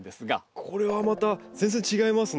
これはまた全然違いますね。